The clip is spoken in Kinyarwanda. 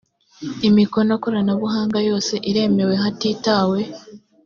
imikono koranabuhanga yose iremewe hatitawe